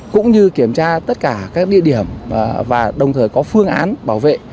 cũng như kiểm tra tất cả các địa điểm và đồng thời có phương án bảo vệ